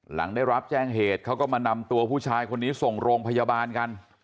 หลังได้รับแจ้งเหตุเขาก็มานำตัวผู้ชายคนนี้ส่งโรงพยาบาลกัน